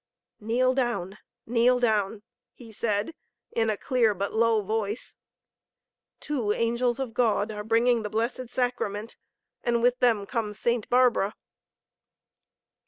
"Kneel down, kneel down!" he said, in a clear but low voice. "Two angels of God are bringing the Blessed Sacrament, and with them comes Saint Barbara!"